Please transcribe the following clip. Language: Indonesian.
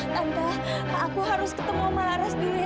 tante aku harus ketemu bularas dulu ya